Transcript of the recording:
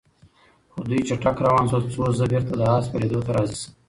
خو دوی چټک روان شول، څو زه بېرته د آس سپرېدو ته راضي شم.